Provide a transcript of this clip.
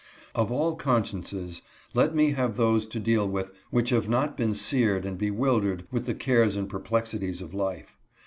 Of all consciences, let me have those to deal with, which have not been seared and bewildered with the cares and perplexities of life.